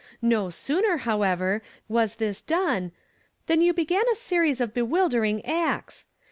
No sooner, however, was this done, than you began a series of bewildering acts.